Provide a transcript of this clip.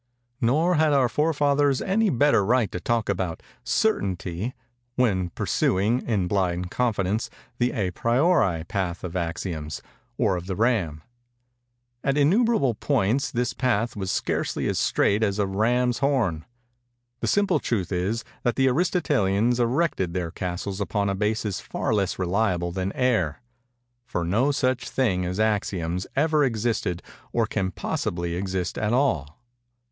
"Nor had our forefathers any better right to talk about certainty, when pursuing, in blind confidence, the à priori path of axioms, or of the Ram. At innumerable points this path was scarcely as straight as a ram's horn. The simple truth is, that the Aristotelians erected their castles upon a basis far less reliable than air; for no such things as axioms ever existed or can possibly exist at all.